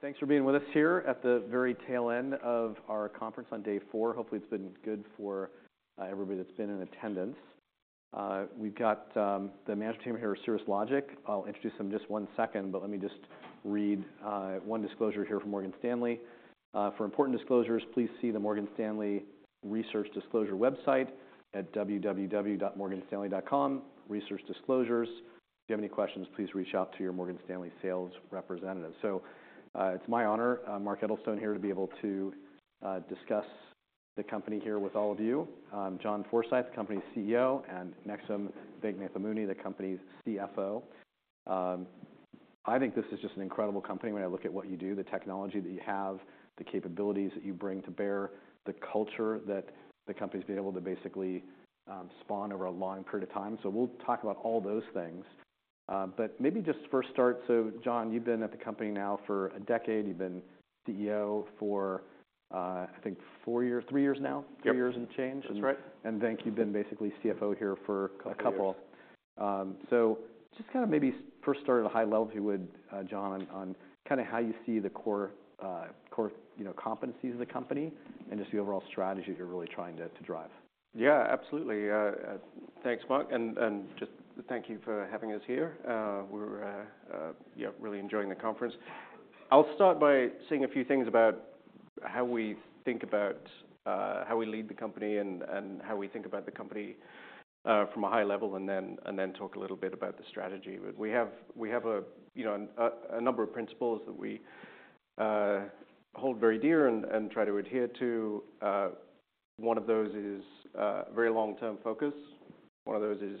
Thanks for being with us here at the very tail end of our conference on day four. Hopefully, it's been good for everybody that's been in attendance. We've got the management team here at Cirrus Logic. I'll introduce them in just one second, but let me just read one disclosure here from Morgan Stanley. For important disclosures, please see the Morgan Stanley Research Disclosure website at www.morganstanley.com, Research Disclosures. If you have any questions, please reach out to your Morgan Stanley sales representative. So, it's my honor, I'm Mark Edelstone here, to be able to discuss the company here with all of you. John Forsyth, the company's CEO, and next to him, Venk Nathamuni, the company's CFO. I think this is just an incredible company. When I look at what you do, the technology that you have, the capabilities that you bring to bear, the culture that the company's been able to basically spawn over a long period of time. So we'll talk about all those things. But maybe just first start, so John, you've been at the company now for a decade. You've been CEO for, I think four years, three years now? Yep. Three years and change. That's right. And Venk, you've been basically CFO here for a couple years. A couple. So just kinda maybe first start at a high level, if you would, John, on kinda how you see the core, you know, competencies of the company and just the overall strategy you're really trying to drive. Yeah, absolutely. Thanks, Mark, and just thank you for having us here. We're, yeah, really enjoying the conference. I'll start by saying a few things about how we think about how we lead the company and how we think about the company from a high level, and then talk a little bit about the strategy. But we have a, you know, a number of principles that we hold very dear and try to adhere to. One of those is very long-term focus. One of those is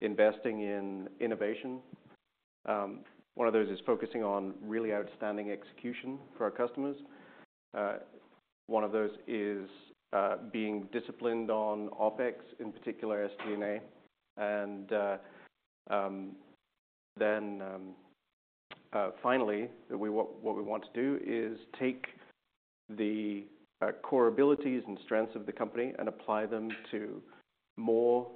investing in innovation. One of those is focusing on really outstanding execution for our customers. One of those is being disciplined on OpEx, in particular, SG&A. Finally, we want—what we want to do is take the core abilities and strengths of the company and apply them to more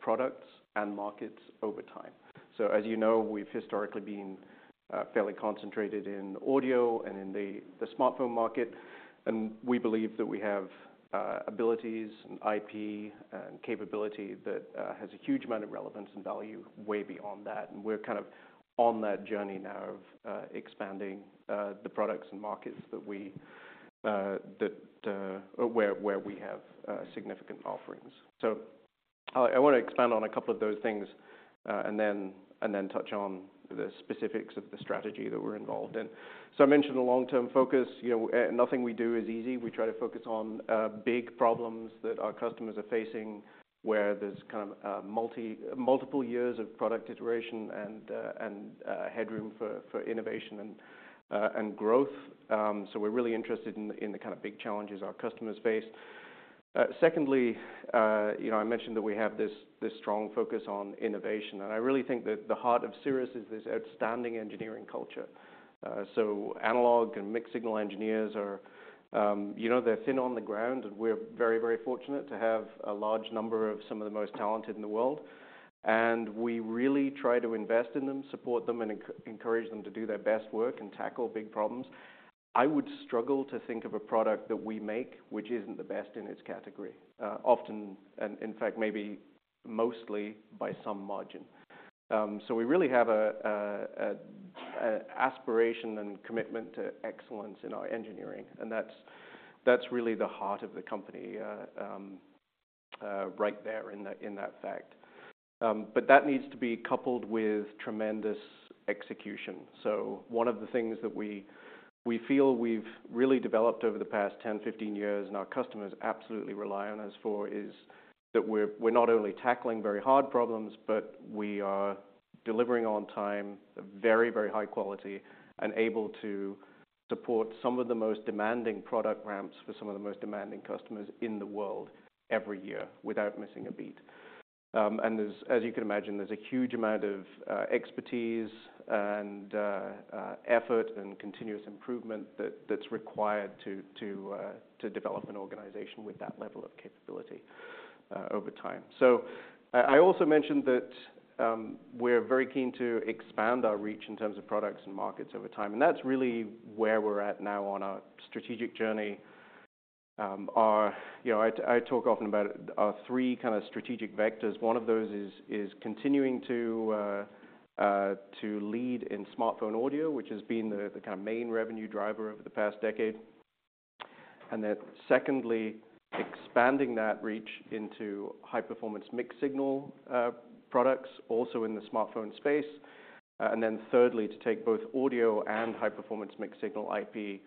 products and markets over time. So as you know, we've historically been fairly concentrated in audio and in the smartphone market, and we believe that we have abilities and IP and capability that has a huge amount of relevance and value way beyond that. And we're kind of on that journey now of expanding the products and markets that we have significant offerings. So I wanna expand on a couple of those things and then touch on the specifics of the strategy that we're involved in. So I mentioned a long-term focus. You know, nothing we do is easy. We try to focus on big problems that our customers are facing, where there's kind of multiple years of product iteration and headroom for innovation and growth. So we're really interested in the kind of big challenges our customers face. Secondly, you know, I mentioned that we have this strong focus on innovation, and I really think that the heart of Cirrus is this outstanding engineering culture. So analog and mixed-signal engineers are, you know, they're thin on the ground, and we're very, very fortunate to have a large number of some of the most talented in the world. We really try to invest in them, support them, and encourage them to do their best work and tackle big problems. I would struggle to think of a product that we make which isn't the best in its category, often, and in fact, maybe mostly by some margin. So we really have an aspiration and commitment to excellence in our engineering, and that's really the heart of the company, right there in that fact. But that needs to be coupled with tremendous execution. So one of the things that we feel we've really developed over the past 10, 15 years, and our customers absolutely rely on us for, is that we're not only tackling very hard problems, but we are delivering on time, very, very high quality, and able to support some of the most demanding product ramps for some of the most demanding customers in the world every year, without missing a beat. And as you can imagine, there's a huge amount of expertise and effort and continuous improvement that's required to develop an organization with that level of capability over time. So I also mentioned that, we're very keen to expand our reach in terms of products and markets over time, and that's really where we're at now on our strategic journey. Our... You know, I talk often about our three kind of strategic vectors. One of those is continuing to lead in smartphone audio, which has been the kind of main revenue driver over the past decade. And then secondly, expanding that reach into High-Performance Mixed-Signal products, also in the smartphone space. And then thirdly, to take both audio and High-Performance Mixed-Signal IP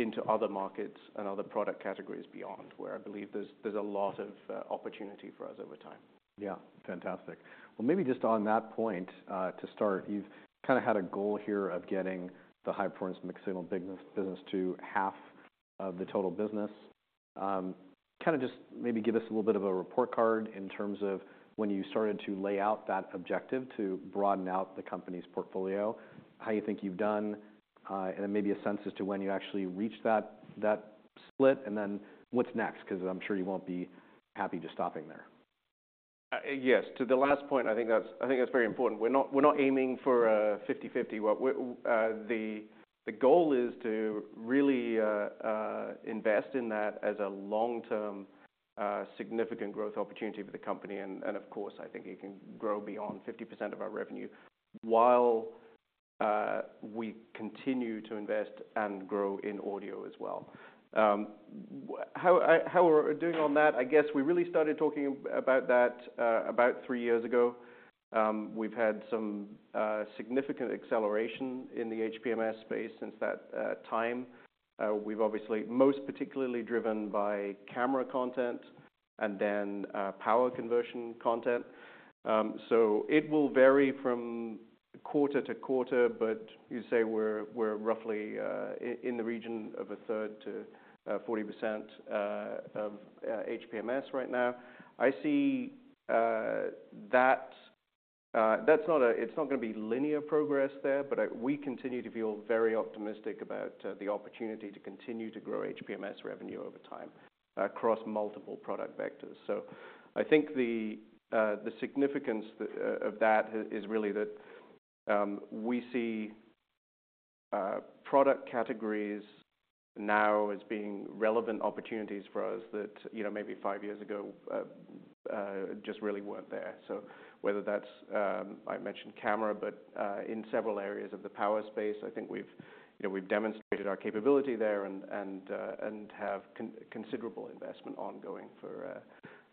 into other markets and other product categories beyond, where I believe there's a lot of opportunity for us over time. Yeah, fantastic. Well, maybe just on that point, to start, you've kinda had a goal here of getting the high-performance mixed-signal business to half of the total business. Kinda just maybe give us a little bit of a report card in terms of when you started to lay out that objective to broaden out the company's portfolio, how you think you've done, and then maybe a sense as to when you actually reached that split, and then what's next, 'cause I'm sure you won't be happy just stopping there. ... Yes, to the last point, I think that's very important. We're not aiming for 50/50. The goal is to really invest in that as a long-term significant growth opportunity for the company. And of course, I think it can grow beyond 50% of our revenue, while we continue to invest and grow in audio as well. How we're doing on that? I guess we really started talking about that about three years ago. We've had some significant acceleration in the HPMS space since that time. We've obviously most particularly driven by camera content and then power conversion content. So it will vary from quarter-to-quarter, but you say we're roughly in the region of one-third to 40% of HPMS right now. I see that that's not gonna be linear progress there, but we continue to feel very optimistic about the opportunity to continue to grow HPMS revenue over time, across multiple product vectors. So I think the significance of that is really that we see product categories now as being relevant opportunities for us that, you know, maybe five years ago just really weren't there. So whether that's, I mentioned camera, but in several areas of the power space, I think we've, you know, we've demonstrated our capability there and have considerable investment ongoing for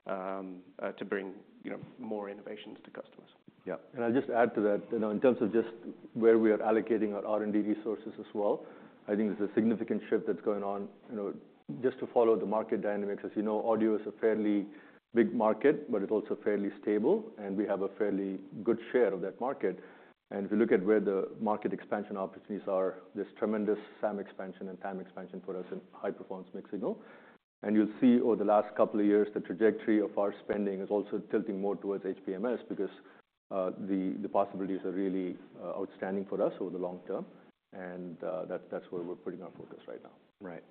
to bring, you know, more innovations to customers. Yeah. And I'll just add to that, you know, in terms of just where we are allocating our R&D resources as well, I think there's a significant shift that's going on, you know, just to follow the market dynamics. As you know, audio is a fairly big market, but it's also fairly stable, and we have a fairly good share of that market. And if you look at where the market expansion opportunities are, there's tremendous SAM expansion and TAM expansion for us in high-performance mixed-signal. And you'll see over the last couple of years, the trajectory of our spending is also tilting more towards HPMS, because the possibilities are really outstanding for us over the long term. And that's where we're putting our focus right now. Right.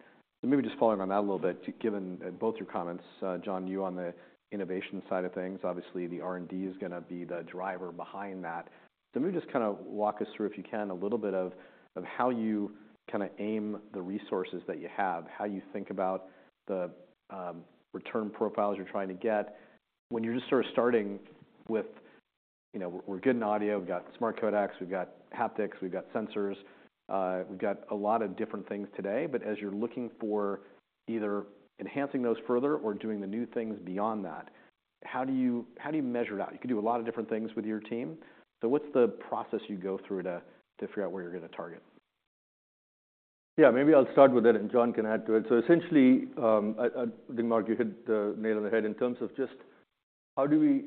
So maybe just following on that a little bit, given both your comments, John, you on the innovation side of things, obviously the R&D is gonna be the driver behind that. So maybe just kind of walk us through, if you can, a little bit of how you kind of aim the resources that you have, how you think about the return profiles you're trying to get. When you're just sort of starting with, you know, we're good in audio, we've got smart codecs, we've got haptics, we've got sensors, we've got a lot of different things today. But as you're looking for either enhancing those further or doing the new things beyond that, how do you measure that? You can do a lot of different things with your team. So what's the process you go through to figure out where you're gonna target? Yeah, maybe I'll start with it, and John can add to it. So essentially, I think, Mark, you hit the nail on the head in terms of just how do we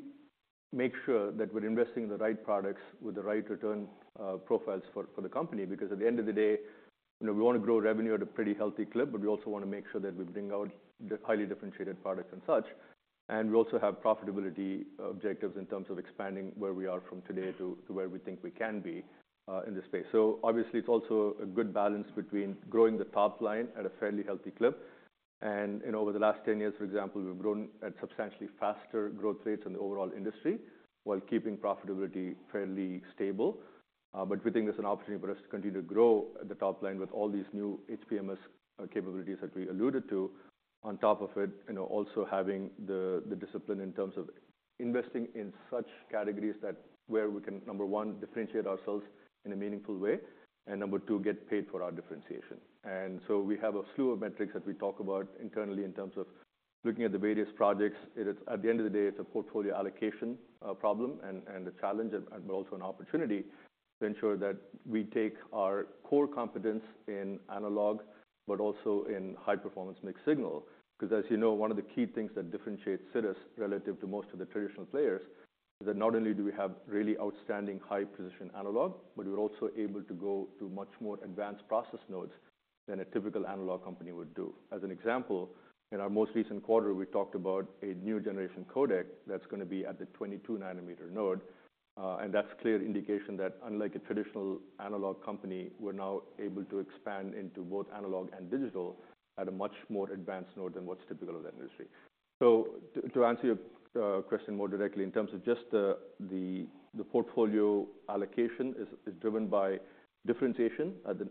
make sure that we're investing in the right products with the right return profiles for the company? Because at the end of the day, you know, we want to grow revenue at a pretty healthy clip, but we also want to make sure that we bring out the highly differentiated products and such. And we also have profitability objectives in terms of expanding where we are from today to where we think we can be in this space. So obviously, it's also a good balance between growing the top line at a fairly healthy clip. You know, over the last 10 years, for example, we've grown at substantially faster growth rates than the overall industry, while keeping profitability fairly stable. But we think there's an opportunity for us to continue to grow at the top line with all these new HPMS capabilities that we alluded to. On top of it, you know, also having the discipline in terms of investing in such categories that where we can, number one, differentiate ourselves in a meaningful way, and number two, get paid for our differentiation. So we have a slew of metrics that we talk about internally in terms of looking at the various projects. At the end of the day, it's a portfolio allocation problem and a challenge, but also an opportunity to ensure that we take our core competence in analog, but also in high-performance mixed-signal. 'Cause as you know, one of the key things that differentiates us relative to most of the traditional players is that not only do we have really outstanding high-precision analog, but we're also able to go to much more advanced process nodes than a typical analog company would do. As an example, in our most recent quarter, we talked about a new generation codec that's gonna be at the 22-nanometer node. And that's clear indication that unlike a traditional analog company, we're now able to expand into both analog and digital at a much more advanced node than what's typical of that industry. So to answer your question more directly, in terms of just the portfolio allocation is driven by differentiation. At the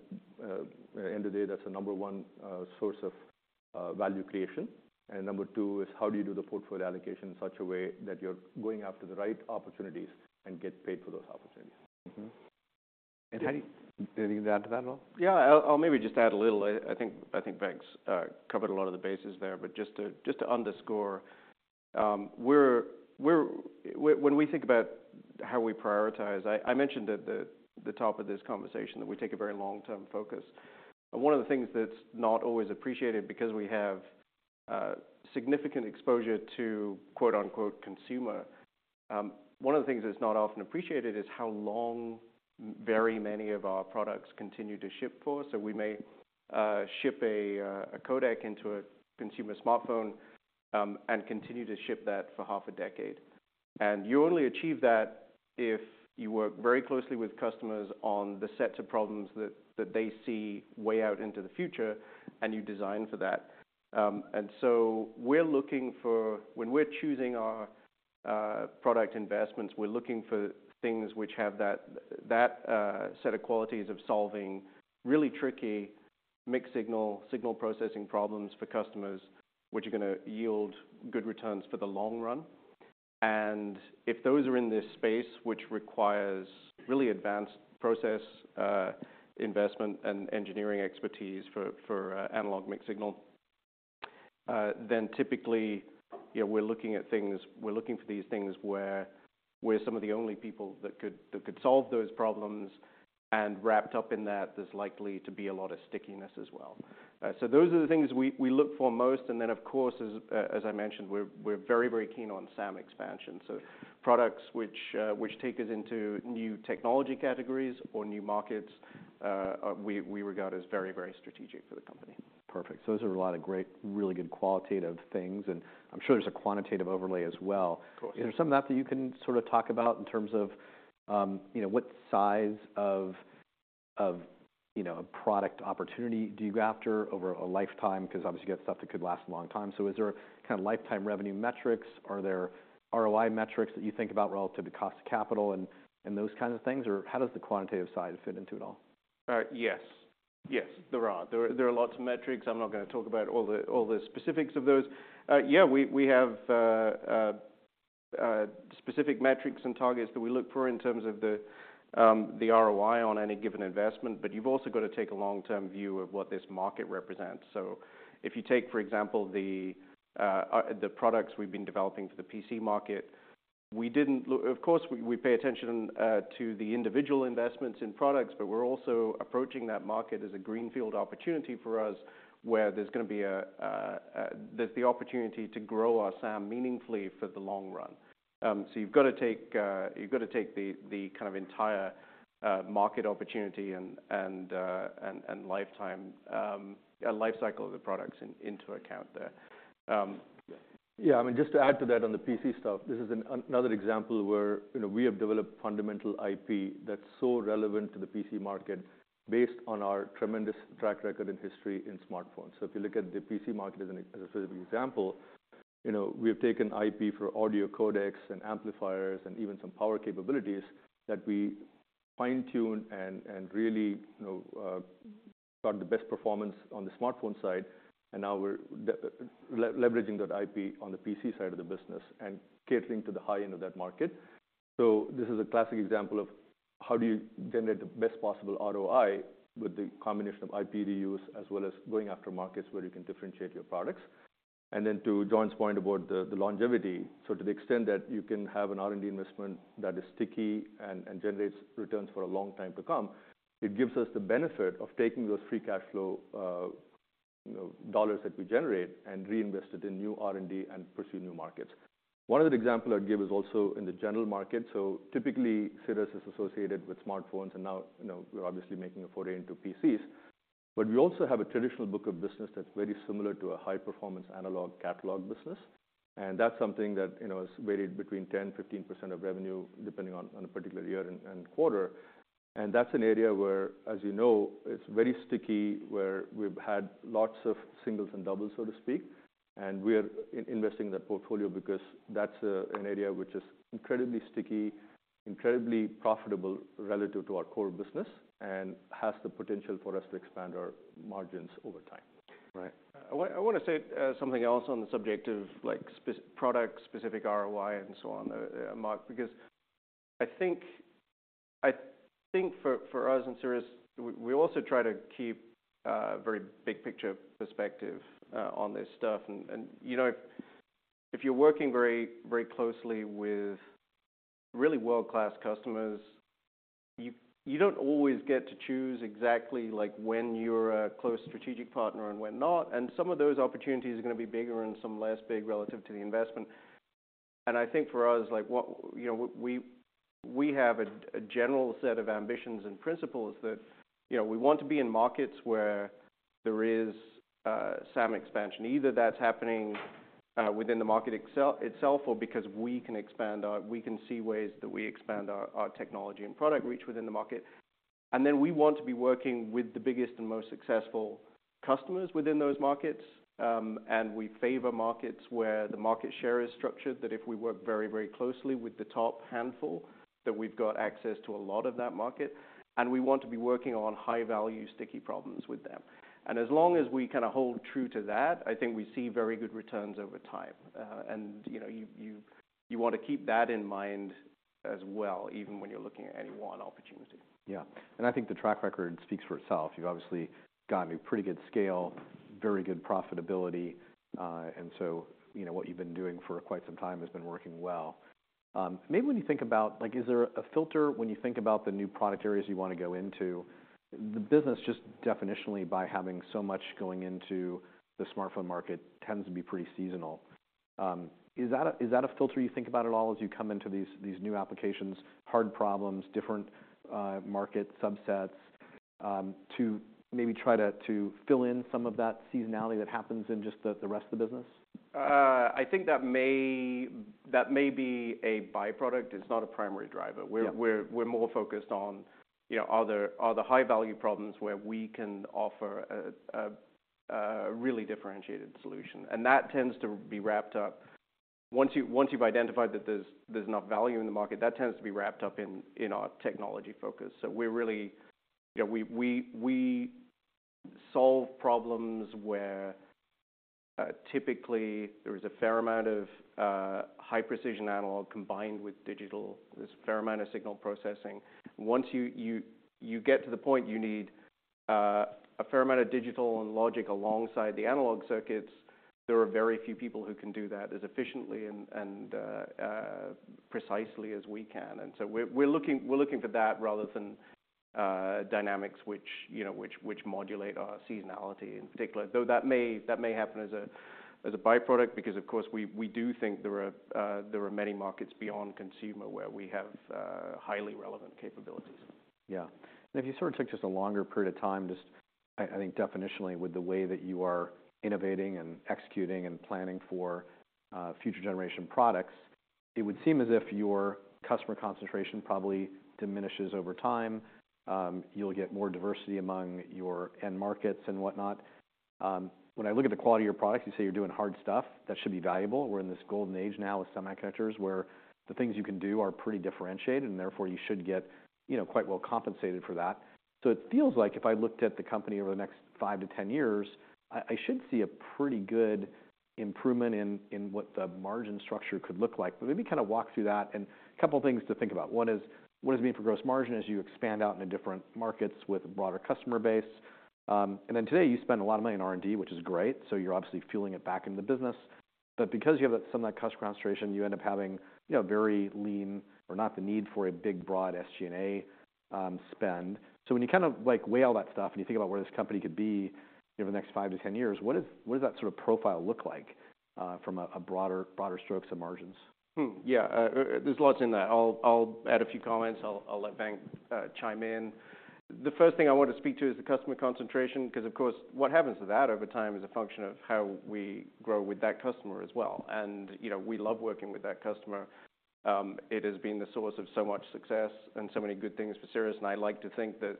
end of the day, that's the number one source of value creation. And number two is, how do you do the portfolio allocation in such a way that you're going after the right opportunities and get paid for those opportunities? Mm-hmm. And how do you... Anything to add to that at all? Yeah, I'll maybe just add a little. I think Venk's covered a lot of the bases there. But just to underscore, when we think about how we prioritize, I mentioned at the top of this conversation that we take a very long-term focus. And one of the things that's not always appreciated, because we have significant exposure to, quote-unquote, consumer, one of the things that's not often appreciated is how long very many of our products continue to ship for. So we may ship a codec into a consumer smartphone, and continue to ship that for half a decade. And you only achieve that if you work very closely with customers on the sets of problems that they see way out into the future, and you design for that. And so we're looking for—when we're choosing our product investments, we're looking for things which have that set of qualities of solving really tricky, mixed signal, signal processing problems for customers, which are gonna yield good returns for the long run. And if those are in this space, which requires really advanced process investment and engineering expertise for analog mixed signal, then typically, you know, we're looking at things—we're looking for these things where we're some of the only people that could solve those problems, and wrapped up in that, there's likely to be a lot of stickiness as well. So those are the things we look for most. And then, of course, as I mentioned, we're very, very keen on SAM expansion. So, products which take us into new technology categories or new markets, we regard as very, very strategic for the company. Perfect. Those are a lot of great, really good qualitative things, and I'm sure there's a quantitative overlay as well. Of course. Is there some of that you can sort of talk about in terms of, you know, what size of, you know, a product opportunity do you go after over a lifetime? Because obviously, you've got stuff that could last a long time. So is there kind of lifetime revenue metrics? Are there ROI metrics that you think about relative to cost of capital and those kinds of things? Or how does the quantitative side fit into it all? Yes. Yes, there are. There are lots of metrics. I'm not gonna talk about all the specifics of those. Yeah, we have specific metrics and targets that we look for in terms of the ROI on any given investment, but you've also got to take a long-term view of what this market represents. So if you take, for example, the products we've been developing for the PC market, we didn't look. Of course, we pay attention to the individual investments in products, but we're also approaching that market as a greenfield opportunity for us, where there's gonna be there's the opportunity to grow our SAM meaningfully for the long run. So you've got to take the entire market opportunity and lifetime life cycle of the products into account there. Yeah, I mean, just to add to that on the PC stuff, this is another example where, you know, we have developed fundamental IP that's so relevant to the PC market based on our tremendous track record and history in smartphones. So if you look at the PC market as an, as a sort of example, you know, we have taken IP for audio codecs and amplifiers, and even some power capabilities that we fine-tune and, and really, you know, got the best performance on the smartphone side, and now we're leveraging that IP on the PC side of the business and catering to the high end of that market. So this is a classic example of how do you generate the best possible ROI with the combination of IP to use, as well as going after markets where you can differentiate your products. And then to John's point about the longevity, so to the extent that you can have an R&D investment that is sticky and generates returns for a long time to come, it gives us the benefit of taking those free cash flow, you know, dollars that we generate and reinvest it in new R&D and pursue new markets. One other example I'd give is also in the general market. So typically, Cirrus is associated with smartphones, and now, you know, we're obviously making a foray into PCs. But we also have a traditional book of business that's very similar to a high-performance analog catalog business, and that's something that, you know, is varied between 10%-15% of revenue, depending on the particular year and quarter. That's an area where, as you know, it's very sticky, where we've had lots of singles and doubles, so to speak, and we are investing in that portfolio because that's an area which is incredibly sticky, incredibly profitable relative to our core business, and has the potential for us to expand our margins over time. Right. I wanna say something else on the subject of, like, product-specific ROI and so on, Mark, because I think for us in Cirrus, we also try to keep a very big picture perspective on this stuff. And you know, if you're working very closely with really world-class customers, you don't always get to choose exactly, like, when you're a close strategic partner and when not, and some of those opportunities are gonna be bigger and some less big relative to the investment. And I think for us, like, what you know, we have a general set of ambitions and principles that you know, we want to be in markets where there is SAM expansion. Either that's happening within the market itself, or because we can see ways that we expand our technology and product reach within the market. And then we want to be working with the biggest and most successful customers within those markets, and we favor markets where the market share is structured, that if we work very, very closely with the top handful, that we've got access to a lot of that market, and we want to be working on high-value, sticky problems with them. And as long as we kind of hold true to that, I think we see very good returns over time. And, you know, you want to keep that in mind as well, even when you're looking at any one opportunity. Yeah. And I think the track record speaks for itself. You've obviously gotten a pretty good scale, very good profitability, and so, you know, what you've been doing for quite some time has been working well. Maybe when you think about, like, is there a filter when you think about the new product areas you want to go into? The business, just definitionally, by having so much going into the smartphone market, tends to be pretty seasonal. Is that a, is that a filter you think about at all as you come into these, these new applications, hard problems, different, market subsets, to maybe try to, to fill in some of that seasonality that happens in just the, the rest of the business? I think that may, that may be a by-product. It's not a primary driver. Yeah. We're more focused on, you know, are there other high-value problems where we can offer a really differentiated solution. And that tends to be wrapped up. Once you've identified that there's enough value in the market, that tends to be wrapped up in our technology focus. So we're really. You know, we solve problems where typically there is a fair amount of high precision analog combined with digital. There's a fair amount of signal processing. Once you get to the point you need a fair amount of digital and logic alongside the analog circuits, there are very few people who can do that as efficiently and precisely as we can. And so we're looking for that rather than dynamics which, you know, modulate our seasonality in particular, though that may happen as a byproduct, because, of course, we do think there are many markets beyond consumer, where we have highly relevant capabilities. Yeah. And if you sort of take just a longer period of time, just I, I think definitionally, with the way that you are innovating and executing and planning for future generation products, it would seem as if your customer concentration probably diminishes over time. You'll get more diversity among your end markets and whatnot. When I look at the quality of your products, you say you're doing hard stuff, that should be valuable. We're in this golden age now with semiconductors, where the things you can do are pretty differentiated, and therefore, you should get, you know, quite well compensated for that. So it feels like if I looked at the company over the next five to 10 years, I should see a pretty good improvement in, in what the margin structure could look like. But maybe kind of walk through that. A couple of things to think about: one is, what does it mean for gross margin as you expand out into different markets with a broader customer base? And then today, you spend a lot of money on R&D, which is great, so you're obviously fueling it back into the business. But because you have some of that customer concentration, you end up having, you know, very lean or not the need for a big, broad SG&A spend. So when you kind of, like, weigh all that stuff and you think about where this company could be over the next five to 10 years, what does, what does that sort of profile look like from a broader, broader strokes of margins? Yeah. There's lots in there. I'll add a few comments. I'll let Venk chime in. The first thing I want to speak to is the customer concentration, 'cause, of course, what happens to that over time is a function of how we grow with that customer as well. And, you know, we love working with that customer. It has been the source of so much success and so many good things for Cirrus, and I like to think that,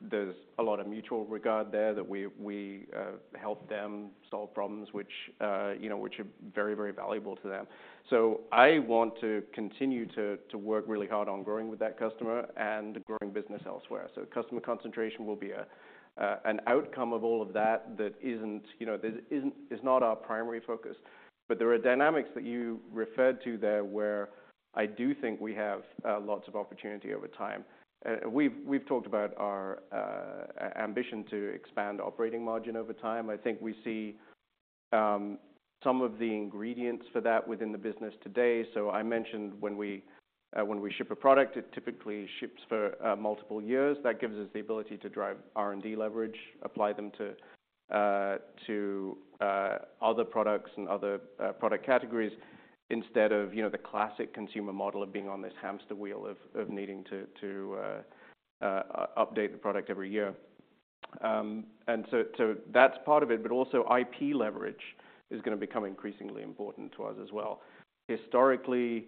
there's a lot of mutual regard there, that we, we help them solve problems which, you know, which are very, very valuable to them. So I want to continue to work really hard on growing with that customer and growing business elsewhere. So customer concentration will be an outcome of all of that, that isn't, you know, is not our primary focus. But there are dynamics that you referred to there, where I do think we have lots of opportunity over time. We've talked about our ambition to expand operating margin over time. I think we see some of the ingredients for that within the business today. So I mentioned when we ship a product, it typically ships for multiple years. That gives us the ability to drive R&D leverage, apply them to other products and other product categories, instead of, you know, the classic consumer model of being on this hamster wheel of needing to update the product every year. and so, so that's part of it, but also IP leverage is gonna become increasingly important to us as well. Historically,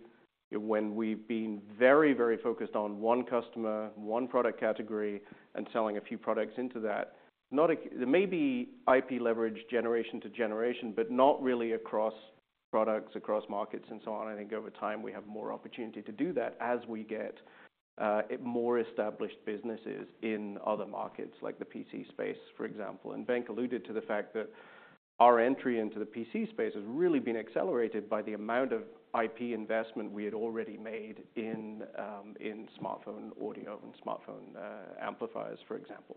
when we've been very, very focused on one customer, one product category, and selling a few products into that. There may be IP leverage generation to generation, but not really across products, across markets, and so on. I think over time, we have more opportunity to do that as we get more established businesses in other markets, like the PC space, for example. And Venk alluded to the fact that our entry into the PC space has really been accelerated by the amount of IP investment we had already made in smartphone audio and smartphone amplifiers, for example.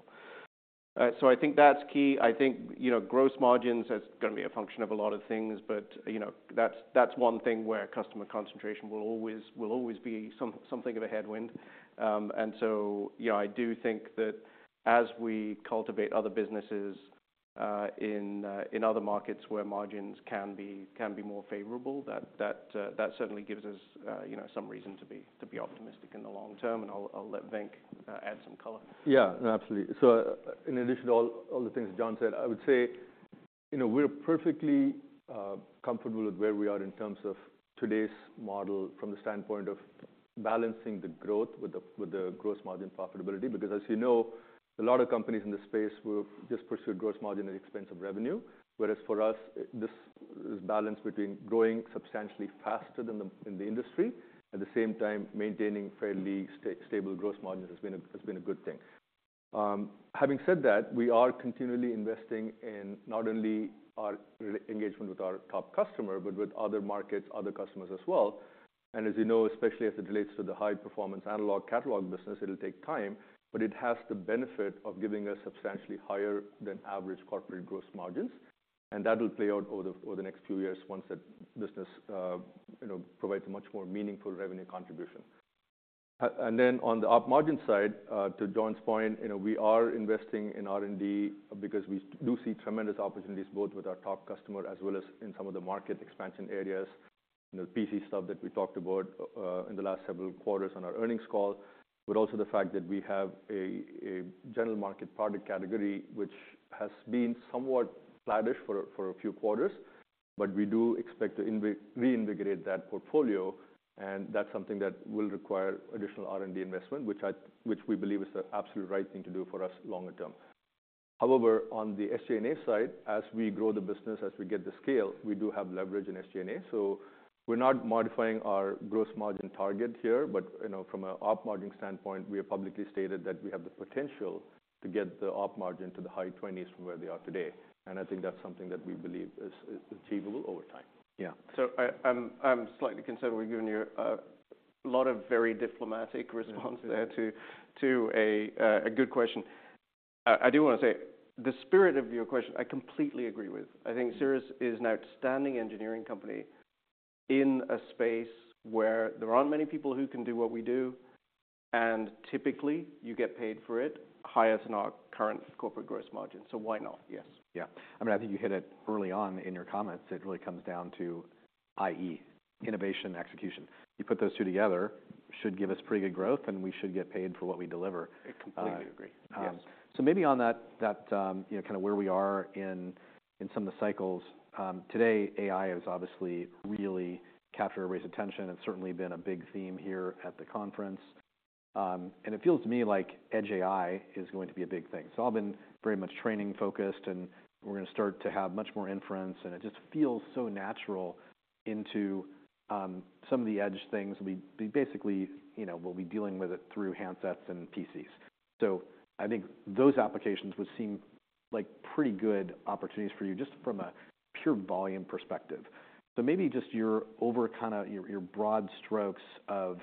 So I think that's key. I think, you know, gross margins, that's gonna be a function of a lot of things, but, you know, that's, that's one thing where customer concentration will always, will always be something of a headwind. And so yeah, I do think that as we cultivate other businesses, in other markets where margins can be, can be more favorable, that, that certainly gives us, you know, some reason to be, to be optimistic in the long term. And I'll let Venk add some color. Yeah, absolutely. So in addition to all, all the things John said, I would say, you know, we're perfectly comfortable with where we are in terms of today's model, from the standpoint of balancing the growth with the, with the gross margin profitability. Because as you know, a lot of companies in this space will just pursue gross margin at the expense of revenue. Whereas for us, this is balanced between growing substantially faster than in the industry, at the same time, maintaining fairly stable gross margin has been a, has been a good thing. Having said that, we are continually investing in not only our engagement with our top customer, but with other markets, other customers as well. As you know, especially as it relates to the high-performance analog catalog business, it'll take time, but it has the benefit of giving us substantially higher than average corporate gross margins, and that will play out over the next few years once that business, you know, provides a much more meaningful revenue contribution. And then on the op margin side, to John's point, you know, we are investing in R&D because we do see tremendous opportunities both with our top customer as well as in some of the market expansion areas, you know, PC stuff that we talked about in the last several quarters on our earnings call. But also the fact that we have a general market product category, which has been somewhat flattish for a few quarters. But we do expect to reinvigorate that portfolio, and that's something that will require additional R&D investment, which we believe is the absolute right thing to do for us longer term. However, on the SG&A side, as we grow the business, as we get the scale, we do have leverage in SG&A. So we're not modifying our gross margin target here, but, you know, from an operating margin standpoint, we have publicly stated that we have the potential to get the operating margin to the high twenties from where they are today. And I think that's something that we believe is achievable over time. Yeah. So I'm slightly concerned we've given you a lot of very diplomatic responses there to a good question. I do wanna say, the spirit of your question, I completely agree with. I think Cirrus is an outstanding engineering company in a space where there aren't many people who can do what we do, and typically, you get paid for it higher than our current corporate gross margin. So why not? Yes. Yeah. I mean, I think you hit it early on in your comments. It really comes down to i.e., innovation and execution. You put those two together, should give us pretty good growth, and we should get paid for what we deliver. I completely agree. So maybe on that, you know, kind of where we are in some of the cycles today, AI has obviously really captured everybody's attention, and certainly been a big theme here at the conference. And it feels to me like Edge AI is going to be a big thing. So all been very much training focused, and we're gonna start to have much more inference, and it just feels so natural into some of the edge things. We basically, you know, we'll be dealing with it through handsets and PCs. So I think those applications would seem like pretty good opportunities for you, just from a pure volume perspective. So maybe just your over kind of your broad strokes of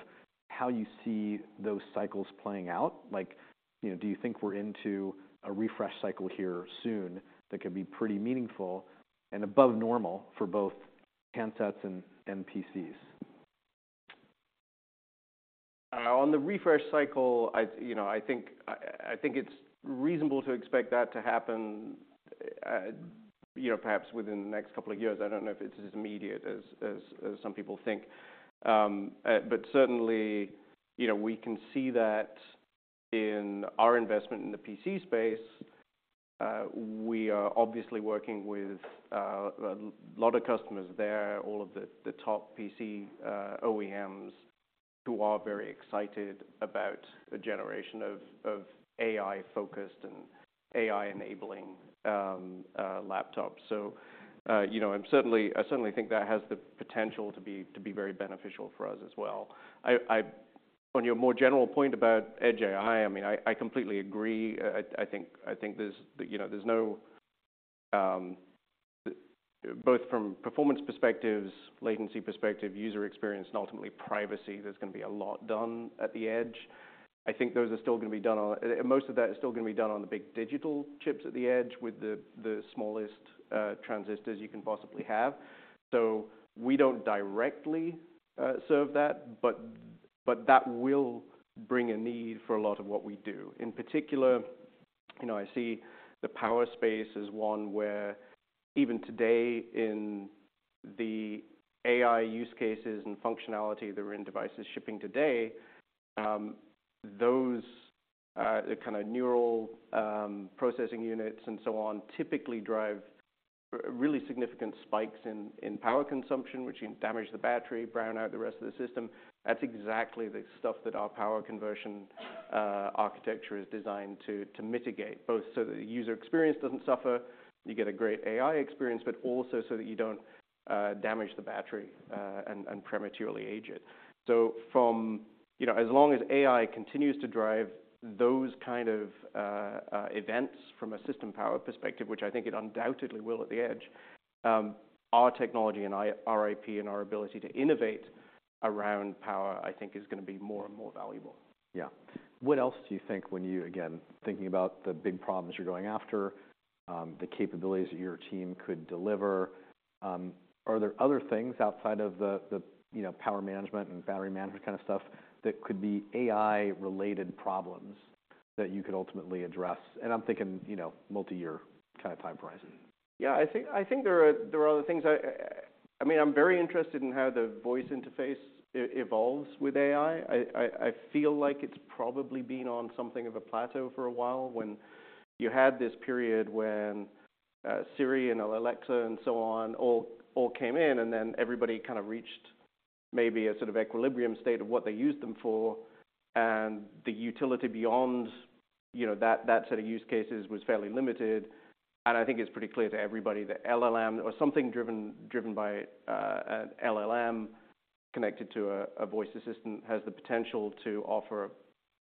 how you see those cycles playing out. Like, you know, do you think we're into a refresh cycle here soon that could be pretty meaningful and above normal for both handsets and, and PCs? On the refresh cycle, you know, I think it's reasonable to expect that to happen, you know, perhaps within the next couple of years. I don't know if it's as immediate as some people think. But certainly, you know, we can see that in our investment in the PC space. We are obviously working with a lot of customers there, all of the top PC OEMs, who are very excited about a generation of AI-focused and AI-enabling laptops. So, you know, I'm certainly think that has the potential to be very beneficial for us as well. On your more general point about Edge AI, I mean, I completely agree. I think, you know, there's no both from performance perspectives, latency perspective, user experience, and ultimately privacy, there's gonna be a lot done at the edge. Most of that is still gonna be done on the big digital chips at the edge, with the smallest transistors you can possibly have. So we don't directly serve that, but that will bring a need for a lot of what we do. In particular, you know, I see the power space as one where even today in the AI use cases and functionality that are in devices shipping today, those the kinda neural processing units and so on, typically drive really significant spikes in power consumption, which can damage the battery, brown out the rest of the system. That's exactly the stuff that our power conversion architecture is designed to mitigate, both so that the user experience doesn't suffer, you get a great AI experience, but also so that you don't damage the battery and prematurely age it. So from... You know, as long as AI continues to drive those kind of events from a system power perspective, which I think it undoubtedly will at the edge, our technology and our IP and our ability to innovate around power, I think is gonna be more and more valuable. Yeah. What else do you think when you, again, thinking about the big problems you're going after, the capabilities that your team could deliver, are there other things outside of the, the, you know, power management and battery management kind of stuff, that could be AI-related problems that you could ultimately address? And I'm thinking, you know, multi-year kind of time horizon. Yeah, I think, I think there are, there are other things. I mean, I'm very interested in how the voice interface evolves with AI. I feel like it's probably been on something of a plateau for a while, when you had this period when Siri and Alexa and so on all came in, and then everybody kind of reached maybe a sort of equilibrium state of what they used them for, and the utility beyond, you know, that set of use cases was fairly limited. And I think it's pretty clear to everybody that LLM, or something driven by an LLM connected to a voice assistant, has the potential to offer a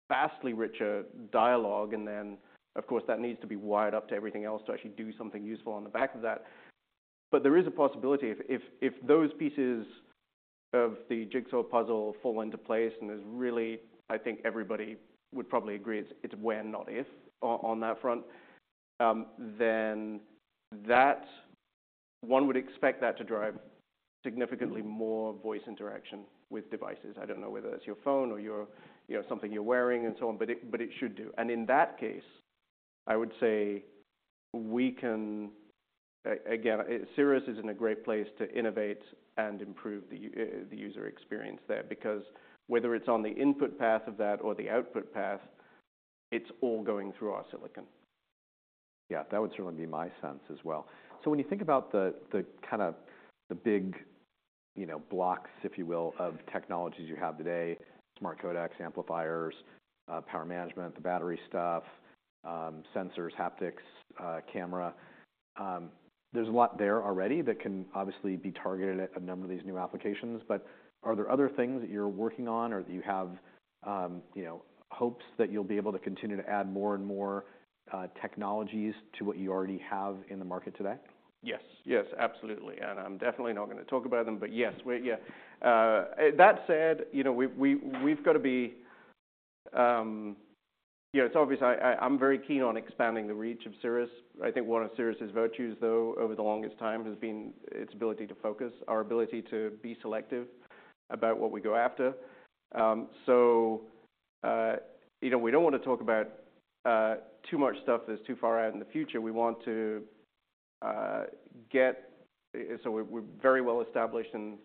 vastly richer dialogue, and then, of course, that needs to be wired up to everything else to actually do something useful on the back of that. But there is a possibility if those pieces of the jigsaw puzzle fall into place, and there's really... I think everybody would probably agree, it's when, not if, on that front, then that one would expect that to drive significantly more voice interaction with devices. I don't know whether that's your phone or your, you know, something you're wearing and so on, but it should do. And in that case, I would say we can again, Cirrus is in a great place to innovate and improve the user experience there. Because whether it's on the input path of that or the output path... it's all going through our silicon. Yeah, that would certainly be my sense as well. So when you think about the kind of big, you know, blocks, if you will, of technologies you have today, smart codecs, amplifiers, power management, the battery stuff, sensors, haptics, camera. There's a lot there already that can obviously be targeted at a number of these new applications. But are there other things that you're working on or that you have, you know, hopes that you'll be able to continue to add more and more, technologies to what you already have in the market today? Yes. Yes, absolutely, and I'm definitely not gonna talk about them, but yes. Yeah. That said, you know, we've got to be. You know, it's obvious I'm very keen on expanding the reach of Cirrus. I think one of Cirrus's virtues, though, over the longest time, has been its ability to focus, our ability to be selective about what we go after. You know, we don't want to talk about too much stuff that's too far out in the future. We want to. So we're very well established in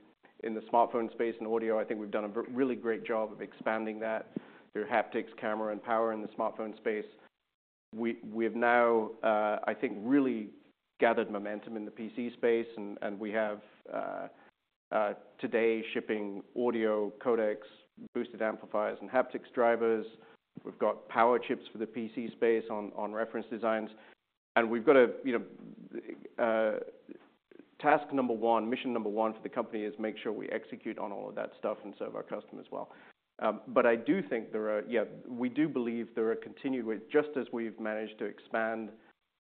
the smartphone space and audio. I think we've done a really great job of expanding that through haptics, camera, and power in the smartphone space. We have now, I think, really gathered momentum in the PC space, and we have today, shipping audio codecs, boosted amplifiers, and haptics drivers. We've got power chips for the PC space on reference designs, and we've got, you know, task number 1, mission number 1 for the company is make sure we execute on all of that stuff and serve our customers well. But I do think there are, yeah, we do believe there are continued with just as we've managed to expand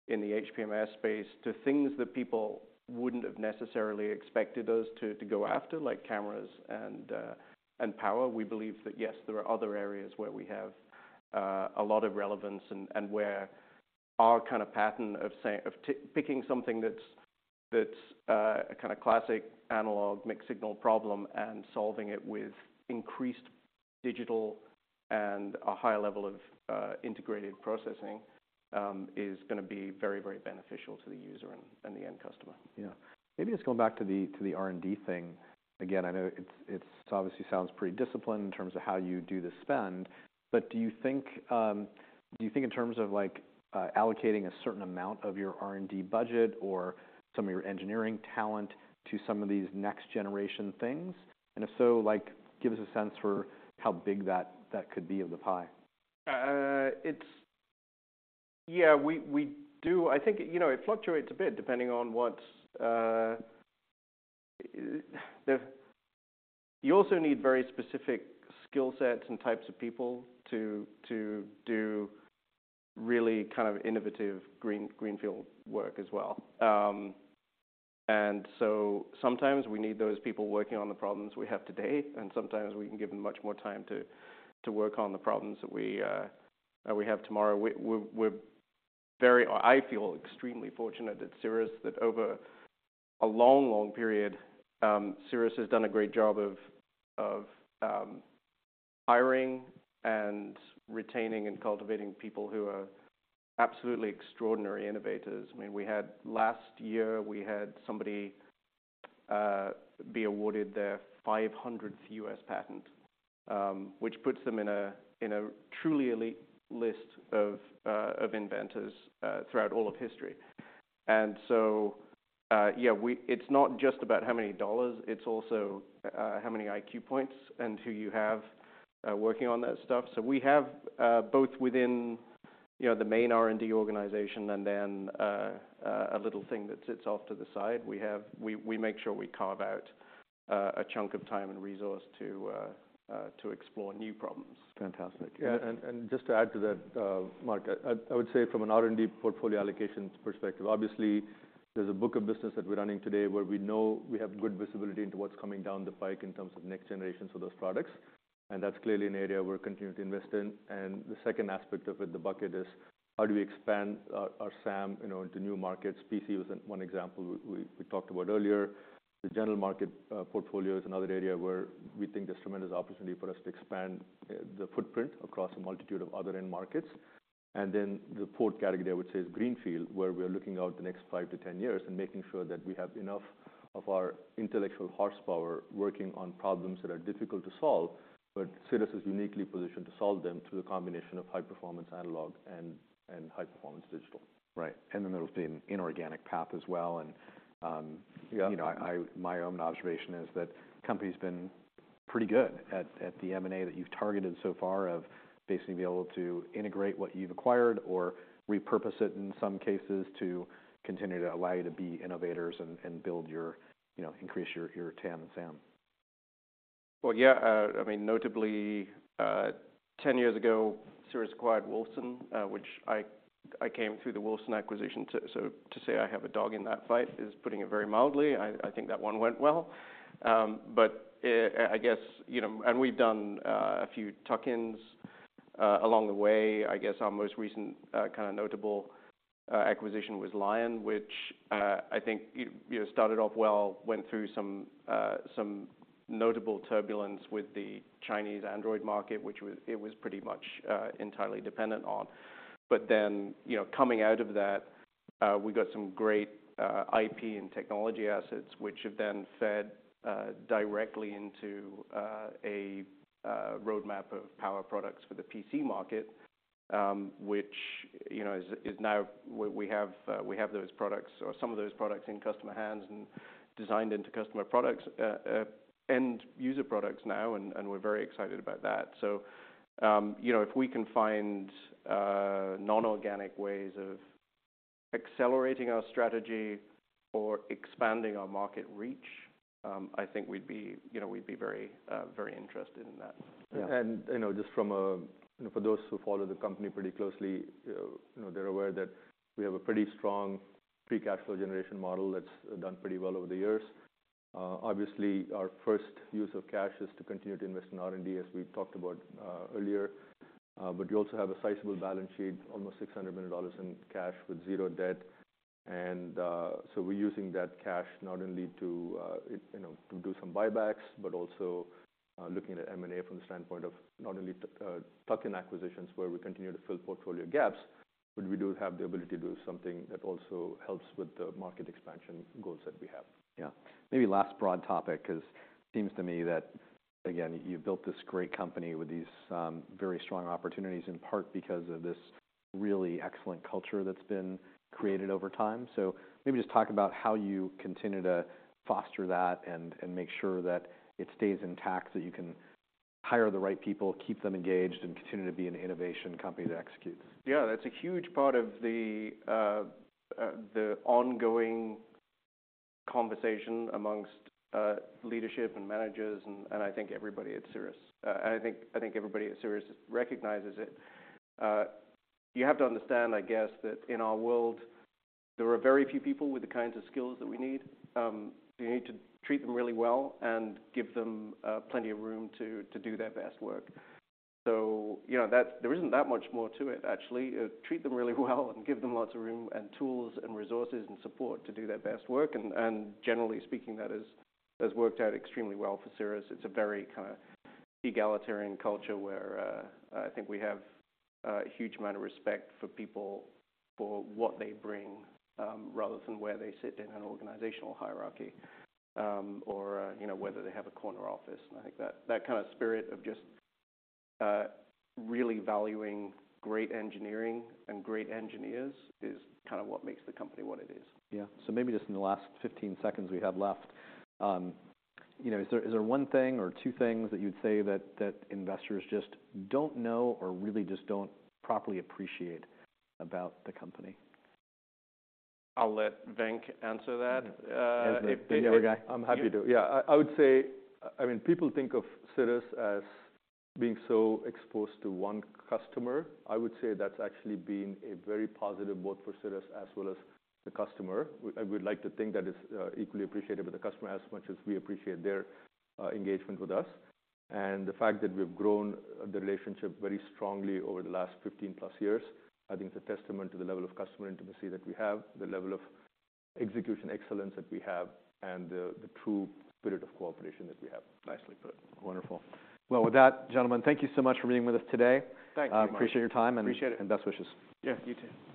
in the HPMS space, to things that people wouldn't have necessarily expected us to go after, like cameras and power. We believe that, yes, there are other areas where we have a lot of relevance and where our kind of pattern of, say, picking something that's a kind of classic analog mixed signal problem and solving it with increased digital and a higher level of integrated processing is gonna be very, very beneficial to the user and the end customer. Yeah. Maybe let's go back to the R&D thing again. I know it obviously sounds pretty disciplined in terms of how you do the spend, but do you think in terms of like allocating a certain amount of your R&D budget or some of your engineering talent to some of these next-generation things? And if so, like, give us a sense for how big that could be of the pie. Yeah, we do. I think, you know, it fluctuates a bit depending on what's the. You also need very specific skill sets and types of people to do really kind of innovative greenfield work as well. And so sometimes we need those people working on the problems we have today, and sometimes we can give them much more time to work on the problems that we have tomorrow. We're very. I feel extremely fortunate that Cirrus, over a long period, Cirrus has done a great job of hiring and retaining and cultivating people who are absolutely extraordinary innovators. I mean, we had last year, we had somebody be awarded their 500th U.S. patent, which puts them in a truly elite list of inventors throughout all of history. Yeah, it's not just about how many dollars, it's also how many IQ points and who you have working on that stuff. So we have both within, you know, the main R&D organization and then a little thing that sits off to the side. We make sure we carve out a chunk of time and resource to explore new problems. Fantastic. Yeah, and just to add to that, Mark, I would say from an R&D portfolio allocation perspective, obviously, there's a book of business that we're running today where we know we have good visibility into what's coming down the pike in terms of next generations of those products. And that's clearly an area we're continuing to invest in. And the second aspect of it, the bucket, is how do we expand our SAM, you know, into new markets? PC was one example we talked about earlier. The general market portfolio is another area where we think there's tremendous opportunity for us to expand the footprint across a multitude of other end markets. And then the fourth category, I would say, is greenfield, where we are looking out the next five to 10 years and making sure that we have enough of our intellectual horsepower working on problems that are difficult to solve, but Cirrus is uniquely positioned to solve them through the combination of high-performance analog and high-performance digital. Right. And then there was the inorganic path as well. Yeah... you know, my own observation is that company's been pretty good at the M&A that you've targeted so far, of basically being able to integrate what you've acquired or repurpose it, in some cases, to continue to allow you to be innovators and build your, you know, increase your TAM and SAM. Well, yeah, I mean, notably, 10 years ago, Cirrus acquired Wolfson, which I, I came through the Wolfson acquisition, so to say I have a dog in that fight is putting it very mildly. I, I think that one went well. But, I, I guess, you know... And we've done a few tuck-ins along the way. I guess our most recent kind of notable acquisition was Lion, which, I think, you, you know, started off well, went through some some notable turbulence with the Chinese Android market, which it was pretty much entirely dependent on.... but then, you know, coming out of that, we got some great IP and technology assets, which have then fed directly into a roadmap of power products for the PC market. Which, you know, is now where we have those products or some of those products in customer hands and designed into customer products, end user products now, and we're very excited about that. So, you know, if we can find non-organic ways of accelerating our strategy or expanding our market reach, I think we'd be, you know, we'd be very, very interested in that. Yeah, and, you know, just from for those who follow the company pretty closely, you know, they're aware that we have a pretty strong free cash flow generation model that's done pretty well over the years. Obviously, our first use of cash is to continue to invest in R&D, as we talked about, earlier. But we also have a sizable balance sheet, almost $600 million in cash with zero debt. And, so we're using that cash not only to, you know, to do some buybacks, but also, looking at M&A from the standpoint of not only to, tuck-in acquisitions, where we continue to fill portfolio gaps, but we do have the ability to do something that also helps with the market expansion goals that we have. Yeah. Maybe last broad topic, 'cause it seems to me that, again, you built this great company with these very strong opportunities, in part because of this really excellent culture that's been created over time. So maybe just talk about how you continue to foster that and make sure that it stays intact, so you can hire the right people, keep them engaged, and continue to be an innovation company that executes. Yeah, that's a huge part of the ongoing conversation among leadership and managers, and I think everybody at Cirrus recognizes it. You have to understand, I guess, that in our world, there are very few people with the kinds of skills that we need. So you need to treat them really well and give them plenty of room to do their best work. So, you know, that there isn't that much more to it, actually. Treat them really well and give them lots of room and tools and resources and support to do their best work. And generally speaking, that has worked out extremely well for Cirrus. It's a very kind of egalitarian culture, where, I think we have a huge amount of respect for people for what they bring, rather than where they sit in an organizational hierarchy, or, you know, whether they have a corner office. And I think that, that kind of spirit of just, really valuing great engineering and great engineers is kind of what makes the company what it is. Yeah. So maybe just in the last 15 seconds we have left, you know, is there, is there one thing or two things that you'd say that, that investors just don't know or really just don't properly appreciate about the company? I'll let Venk answer that. As the bigger guy. I'm happy to. Yeah, I would say, I mean, people think of Cirrus as being so exposed to one customer. I would say that's actually been a very positive, both for Cirrus as well as the customer. I would like to think that it's equally appreciated with the customer as much as we appreciate their engagement with us. And the fact that we've grown the relationship very strongly over the last 15+ years, I think it's a testament to the level of customer intimacy that we have, the level of execution excellence that we have, and the true spirit of cooperation that we have. Nicely put. Wonderful. Well, with that, gentlemen, thank you so much for being with us today. Thank you, Mark. I appreciate your time- Appreciate it. and best wishes. Yeah, you too.